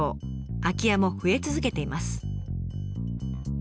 空き家も増え続けています。